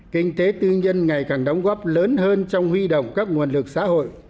kinh tế tư nhân ngày càng đóng góp lớn hơn trong huy động các nguồn lực xã hội